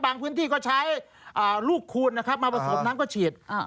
พื้นที่ก็ใช้ลูกคูณนะครับมาผสมน้ำก็ฉีด